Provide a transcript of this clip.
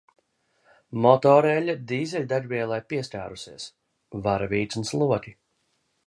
Motoreļļa dīzeļdegvielai pieskārusies. Varavīksnes loki.